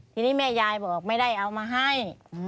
ทีนี้แม่ยายบอกไม่ได้เอามาให้